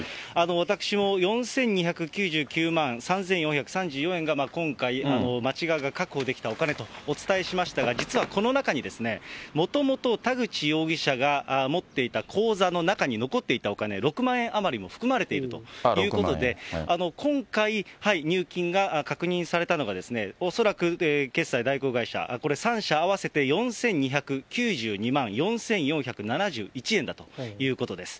私も４２９９万３４３４円が今回、町側が確保できたお金とお伝えしましたが、実はこの中にもともと田口容疑者が持っていた口座の中に残っていたお金６万円余りも含まれているということで、今回、入金が確認されたのが、恐らく決済代行会社、これ、３社合わせて４２９２万４４７１円だということです。